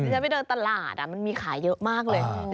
ฉันไปเดินตลาดมันมีขายเยอะมากเลย